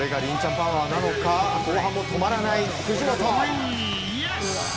パワーなのか後半も止まらない藤本。